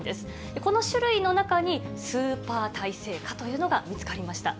この種類の中にスーパー耐性蚊というのが見つかりました。